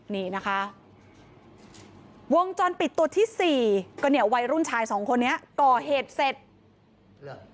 นี่นะคะวงจรปิดตัวที่สี่ก็เนี่ยวัยรุ่นชายสองคนนี้ก่อเหตุเสร็จเหรอ